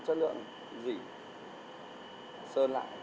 chất lượng dị sơn lại